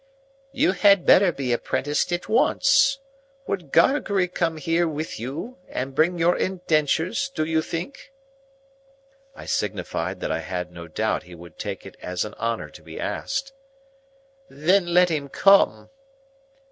"You had better be apprenticed at once. Would Gargery come here with you, and bring your indentures, do you think?" I signified that I had no doubt he would take it as an honour to be asked. "Then let him come."